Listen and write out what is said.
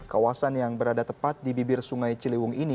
kawasan yang berada tepat di bibir sungai ciliwung ini